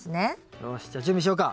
よしじゃあ準備しようか。